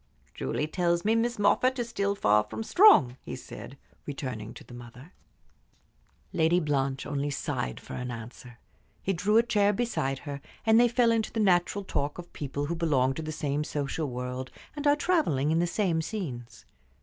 "Julie tells me Miss Moffatt is still far from strong," he said, returning to the mother. Lady Blanche only sighed for answer. He drew a chair beside her, and they fell into the natural talk of people who belong to the same social world, and are travelling in the same scenes.